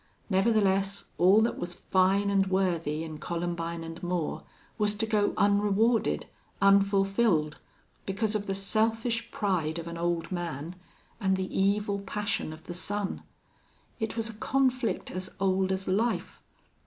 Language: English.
Nevertheless, all that was fine and worthy in Columbine and Moore was to go unrewarded, unfulfilled, because of the selfish pride of an old man and the evil passion of the son. It was a conflict as old as life.